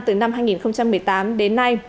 trong thời gian từ năm hai nghìn một mươi tám đến nay